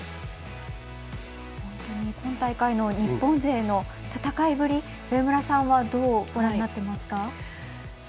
本当に今大会の日本勢の戦いぶり、上村さんはどうご覧になっていますか？